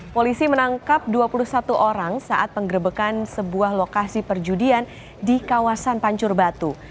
polisi menangkap dua puluh satu orang saat penggerbekan sebuah lokasi perjudian di kawasan pancur batu